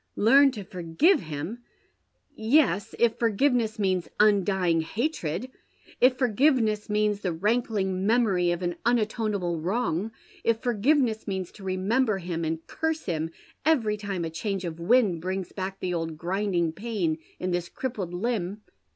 " Learned to forgive him 1 Yes, if forgiveness means undying hatred ; if forgiveness means the rankling memory of an un atonable wrong ; if forgiveness means to remember him and curse him every time a change of wind brings back the old grinding pain in this crippled limb.